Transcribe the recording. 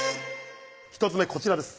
１つ目こちらです